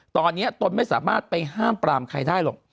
ตอนนี้ตนไม่สามารถไปห้ามปรามใครได้หรอก